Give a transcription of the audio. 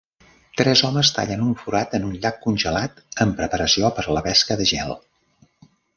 Tres homes tallen un forat en un llac congelat en preparació per a la pesca de gel.